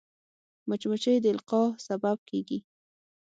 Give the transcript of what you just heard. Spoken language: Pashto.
مچمچۍ د القاح سبب کېږي